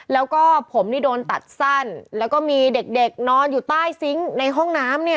แล้วก็ผมนี่โดนตัดสั้นแล้วก็มีเด็กเด็กนอนอยู่ใต้ซิงค์ในห้องน้ำเนี่ย